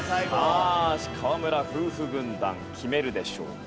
さあ河村夫婦軍団決めるでしょうか？